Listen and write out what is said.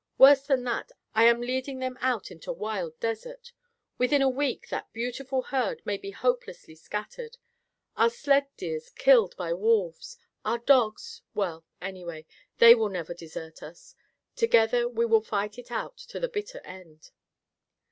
"Worse than that, I am leading them out into wild desert. Within a week that beautiful herd may be hopelessly scattered; our sled deers killed by wolves; our dogs—well, anyway, they will never desert us. Together we will fight it out to the bitter end."